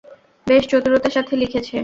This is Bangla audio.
বেশ চতুরতার সাথে লিখেছে।